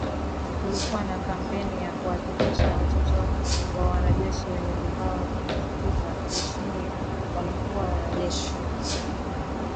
Kulikuwa na kampeni ya kuhakikisha Watoto wa wanajeshi wenye vipawa tukuka jeshini wanakuwa wanajeshi